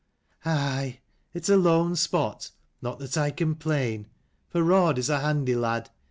"Aye, its a lone spot: not that I complain: for Raud is a handy lad.